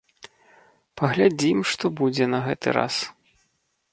Паглядзім, што будзе на гэты раз.